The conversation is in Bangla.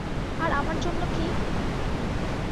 আর আমার জন্য কি?